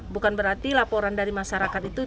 bukan berarti laporan dari masyarakat itu